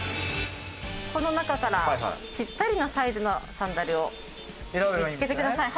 この中からぴったりのサイズのサンダルを見付けてください。